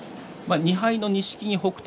２敗の錦木と北勝